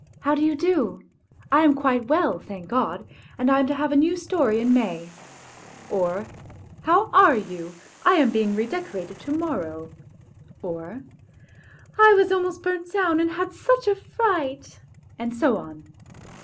How do you do ? I am quite well, thank God, and I am to have a new storey in May," or, " How are you? I am being redecorated to morrow"; or, "I was almost burnt down and had such a fright," and so on.